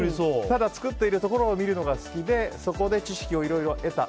ただ作っているところを見るのが好きでそこで知識をいろいろ得た。